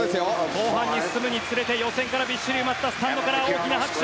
後半に進むにつれてびっしり埋まったスタンドから大きな拍手。